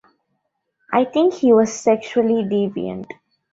I think he was sexually deviant.